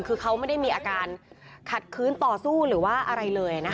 คือเขาไม่ได้มีอาการขัดคืนต่อสู้หรือว่าอะไรเลยนะคะ